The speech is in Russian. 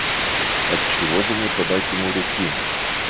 Отчего же не подать ему руки?